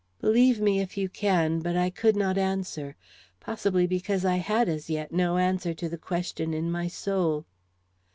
Believe me if you can, but I could not answer; possibly because I had as yet no answer to the question in my soul.